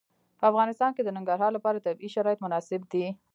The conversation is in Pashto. په افغانستان کې د ننګرهار لپاره طبیعي شرایط مناسب دي.